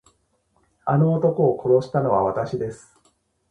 あの男を殺したのはわたしです。